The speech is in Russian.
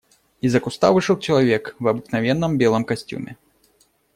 Из-за куста вышел человек в обыкновенном белом костюме.